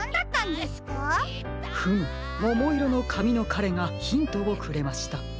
フムももいろのかみのかれがヒントをくれました。